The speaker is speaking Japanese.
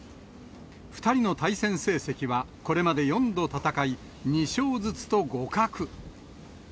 ２人の対戦成績は、これまで４度戦い、２勝ずつと互角。